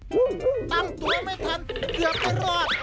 ตั้งตัวไม่ทันเกือบไม่รอด